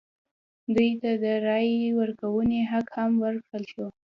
دوی ته د رایې ورکونې حق هم ورکړل شو.